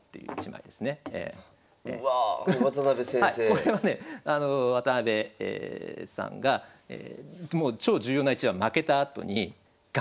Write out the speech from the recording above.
これはね渡辺さんがもう超重要な一番負けたあとにがっかりしてるんですね。